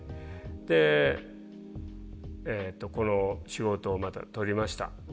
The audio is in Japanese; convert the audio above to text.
でこの仕事をまた取りました。